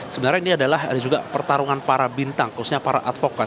sebenarnya ini adalah juga pertarungan para bintang khususnya para advokat